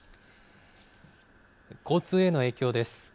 交通への影響です。